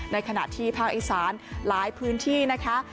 ในขณะที่ภาคอีสานหลายพื้นที่นะคะ